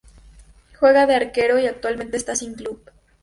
Juega de arquero y actualmente está sin club.